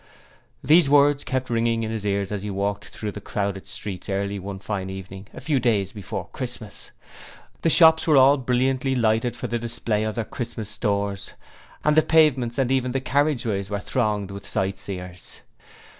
These words kept ringing in his ears as he walked through the crowded streets early one fine evening a few days before Christmas. The shops were all brilliantly lighted for the display of their Christmas stores, and the pavements and even the carriageways were thronged with sightseers.